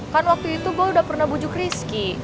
kan waktu itu gue udah pernah bujuk rizky